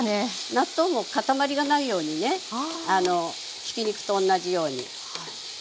納豆も塊がないようにねひき肉と同じように。